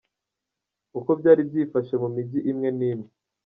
Uko byari byifashe mu mijyi imwe n’imwe.